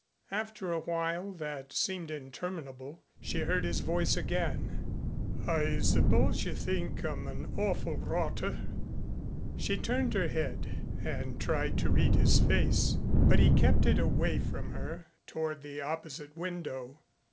After a while that seemed interminable she heard his voice again. "I suppose you think I'm an awful rotter." She turned her head and tried to read his face, but he kept it away from her, toward the opposite window.